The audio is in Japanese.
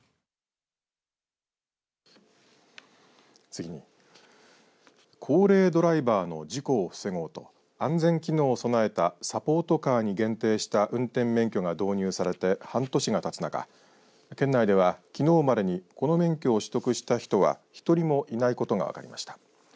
次に高齢ドライバーの事故を防ごうと安全機能を備えたサポートカーに限定した運転免許が導入されて半年がたつ中県内では、きのうまでにこの免許を取得した人は１人もいないことが分かりました。